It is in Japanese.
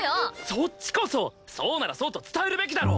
そっちこそそうならそうと伝えるべきだろ！